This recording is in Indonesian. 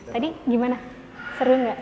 tadi gimana seru gak